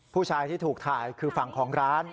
ผู้ชายที่ถูกถ่ายคือฝั่งของร้าน